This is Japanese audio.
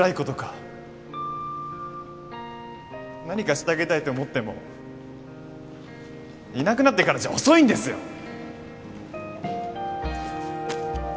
何かしてあげたいと思ってもいなくなってからじゃ遅いんですよ！